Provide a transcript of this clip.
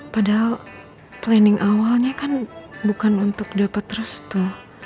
padahal planning awalnya kan bukan untuk dapat restu